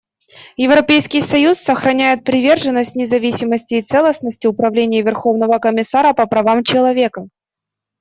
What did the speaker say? Европейский союз сохраняет приверженность независимости и целостности Управления Верховного комиссара по правам человека.